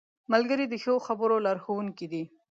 ملګری د ښو خبرو لارښوونکی دی